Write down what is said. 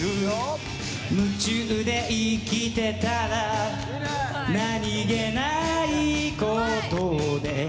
「夢中で生きてたら何気ないことで」